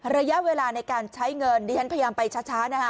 ระยะเวลาในการใช้เงินดิฉันพยายามไปช้านะฮะ